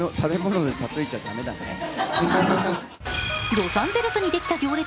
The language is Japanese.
ロサンゼルスにできた行列。